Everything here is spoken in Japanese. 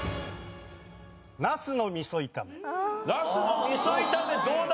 茄子の味噌炒めどうだ？